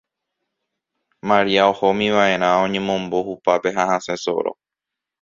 Maria ohómiva'erá oñemombo hupápe ha hasẽ soro.